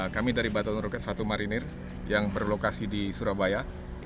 kami dari batuan roket satu marinir yang berlokasi di surabaya